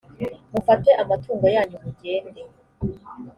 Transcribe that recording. mufate amatungo yanyu mugende